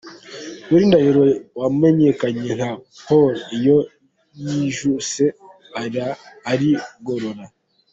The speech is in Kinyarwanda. Willy Ndahiro wamenyekanye nka Paul iyo yijuse arigorora.